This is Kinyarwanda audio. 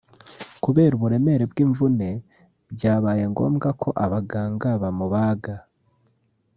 Kubera uburemere bw’imvune byabaye ngombwa ko abagaga bamubaga